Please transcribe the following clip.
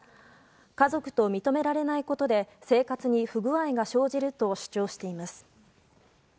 家族と認められないことで生活に不具合が生じると主張しています。